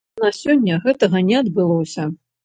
На сёння гэтага не адбылося.